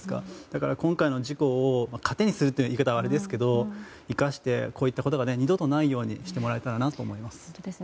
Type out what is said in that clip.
だから今回の事故を糧にするという言い方はあれですけれど、生かしてこういったことが二度とないようにしてもらえたらなと思います。